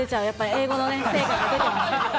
英語の成果が出てますね。